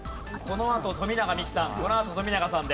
このあと富永美樹さん。